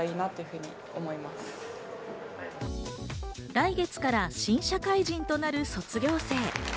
来月から新社会人となる卒業生。